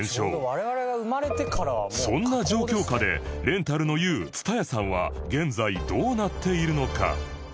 そんな状況下でレンタルの雄 ＴＳＵＴＡＹＡ さんは現在どうなっているのか？